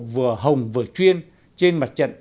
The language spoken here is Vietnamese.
vừa hồng vừa chuyên trên mặt trận